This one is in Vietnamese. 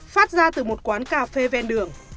phát ra từ một quán cà phê ven đường